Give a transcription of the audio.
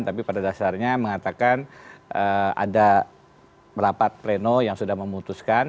tapi pada dasarnya mengatakan ada merapat pleno yang sudah memutuskan